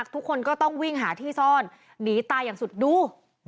ทุกคนก็ต้องวิ่งหาที่ซ่อนหนีตายอย่างสุดดู